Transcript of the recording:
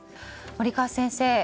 森川先生。